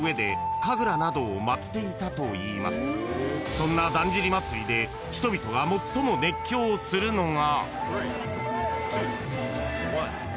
［そんなだんじり祭で人々が最も熱狂するのが］